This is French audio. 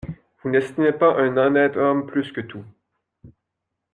Vous n’estimez pas un honnête homme plus que tout.